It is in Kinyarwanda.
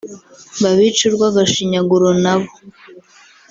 Babice urwagashinyaguro nabo